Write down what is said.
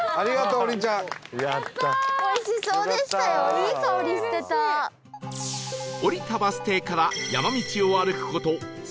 降りたバス停から山道を歩く事 ３．２ キロ